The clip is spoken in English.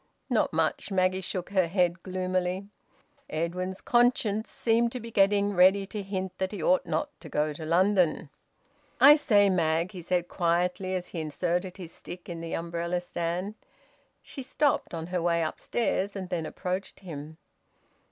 "Not much." Maggie shook her head gloomily. Edwin's conscience seemed to be getting ready to hint that he ought not to go to London. "I say, Mag," he said quietly, as he inserted his stick in the umbrella stand. She stopped on her way upstairs, and then approached him.